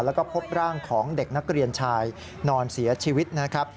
แล้วก็พบร่างของเด็กนักเรียนชายนอนเสียชีวิตนะครับ